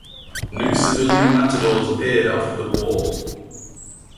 New civilian Matadors appeared after the war.